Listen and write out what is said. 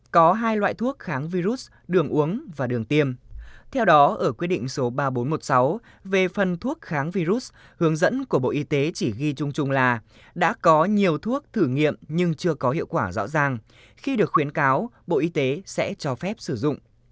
có hai loại thuốc kháng virus đường uống và đường tiêm theo đó ở quy định số ba nghìn bốn trăm một mươi sáu về phân thuốc kháng virus hướng dẫn của bộ y tế chỉ ghi chung chung là đã có nhiều thuốc thử nghiệm nhưng chưa có hiệu quả rõ ràng khi được khuyến cáo bộ y tế sẽ cho phép sử dụng